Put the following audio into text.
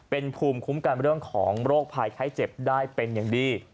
เป็นภูมิคุ้มกันเรื่องของโรคภัยไข้เจ็บได้เป็นอย่างดี